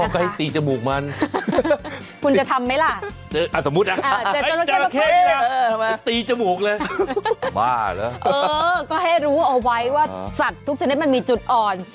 ก็ให้ตีจมูกมัน